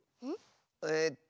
えっと